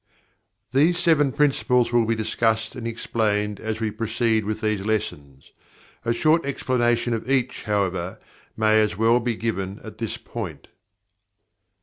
These Seven Principles will be discussed and explained as we proceed with these lessons. A short explanation of each, however, may as well be given at this point.